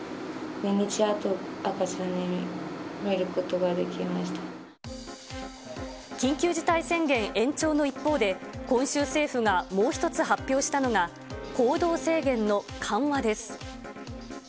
２日あと、緊急事態宣言延長の一方で、今週政府がもう一つ発表したのが、行動制限の緩和です。